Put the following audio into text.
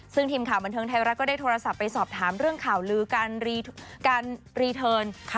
ซึ่งทีมข่าวบันเทิงไทยรัฐก็ได้โทรศัพท์ไปสอบถามเรื่องข่าวลือการรีเทิร์น